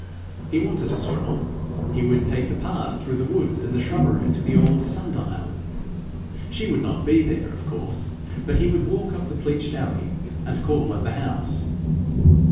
He wanted a stroll he would take the path through the woods and the shrubbery to the old sun dial. She would not be there, of course, but he would walk up the pleached alley and call at the house.